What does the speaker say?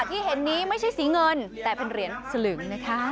ที่เห็นนี้ไม่ใช่สีเงินแต่เป็นเหรียญสลึงนะคะ